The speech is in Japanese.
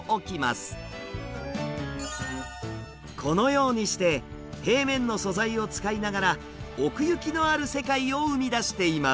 このようにして平面の素材を使いながら奥行きのある世界を生み出しています。